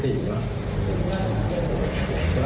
คนไม่ได้อยู่แถวนั้นคนไม่ได้อยู่แถวนั้น